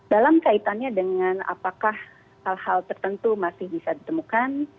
dalam kaitannya dengan apakah hal hal tertentu masih bisa ditemukan